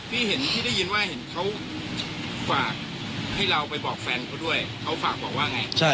ที่เห็นพี่ได้ยินว่าเห็นเขาฝากให้เราไปบอกแฟนเขาด้วยเขาฝากบอกว่าไง